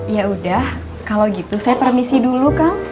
ya udah kalau gitu saya permisi dulu kang